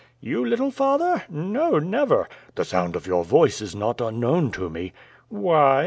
"You, little father? No, never." "The sound of your voice is not unknown to me." "Why!"